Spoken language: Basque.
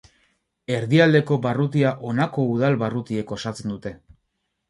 Erdialdeko barrutia honako udal barrutiek osatzen dute.